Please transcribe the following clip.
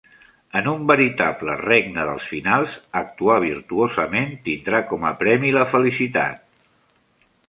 En un veritable Regne dels Finals, actuar virtuosament tindrà com a premi la felicitat.